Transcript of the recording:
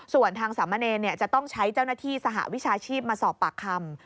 ส่วนทางสามเณรจะต้องใช้เจ้าหน้าที่สหวิชาชีพมาสอบปากคำ